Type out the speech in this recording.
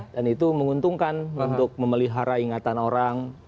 itu menguntungkan untuk memelihara ingatan orang